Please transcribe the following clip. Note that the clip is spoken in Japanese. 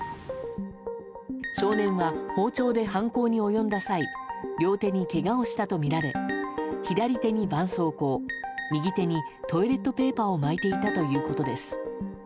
少年は包丁で犯行に及んだ際両手にけがをしたとみられ左手にばんそうこう右手に、トイレットペーパーを巻いていたということです。